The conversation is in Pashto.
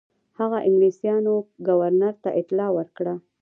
هغه انګلیسیانو ګورنر ته اطلاع ورکړه.